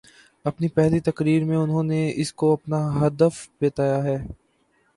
اپنی پہلی تقریر میں انہوں نے اس کو اپناہدف بتایا ہے۔